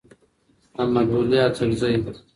احمد ولي اڅکزی